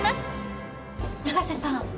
永瀬さん。